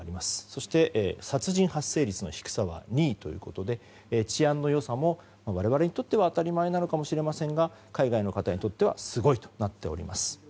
そして、殺人発生率の低さは２位ということで治安の良さも、我々にとっては当たり前なのかもしれませんが海外の方にとってはすごいとなっております。